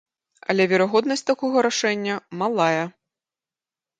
Але верагоднасць такога рашэння малая.